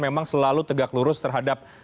memang selalu tegak lurus terhadap